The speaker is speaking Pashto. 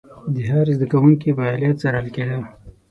د هر زده کوونکي فعالیت څارل کېده.